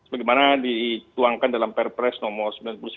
bagaimana dituangkan dalam perpres nomor sembilan puluh sembilan dua ribu dua puluh